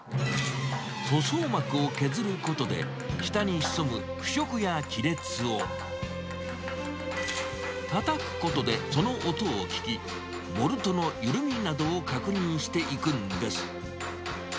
塗装膜を削ることで、下に潜む腐食や亀裂をたたくことでその音を聞き、ボルトの緩みなどを確認していくんです。